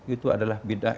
itu adalah bidah